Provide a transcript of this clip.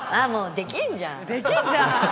できんじゃん。